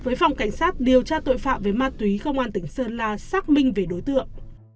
với phòng cảnh sát điều tra tội phạm về ma túy công an tỉnh sơn la xác minh về đối tượng